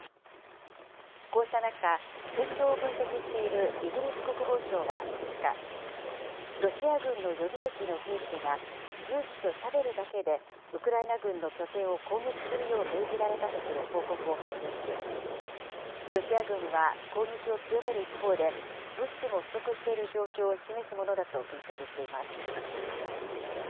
こうした中、戦況を分析しているイギリス国防省は５日、ロシア軍の予備役の兵士が銃器とシャベルだけで、ウクライナ軍の拠点を攻撃するよう命じられたとする報告を発表し、ロシア軍は攻撃を強める一方で、物資も不足している状況を示すものだと分析しています。